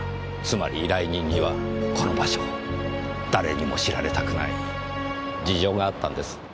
つまり依頼人にはこの場所を誰にも知られたくない事情があったんです。